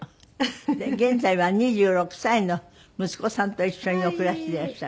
現在は２６歳の息子さんと一緒にお暮らしでいらっしゃる？